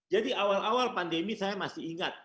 jadi awal awal pandemi saya masih ingat